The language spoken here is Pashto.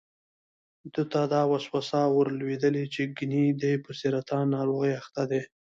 ده ته دا وسوسه ور لوېدلې چې ګني دی په سرطان ناروغۍ اخته دی.